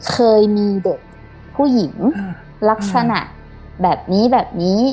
เคยมีเด็กผู้หญิงลักษณะแบบนี้แบบนี้